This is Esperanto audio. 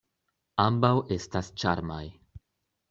Ambaŭ estas ĉarmaj.